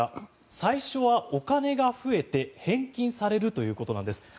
最初はお金が増えて返金されるということなんです。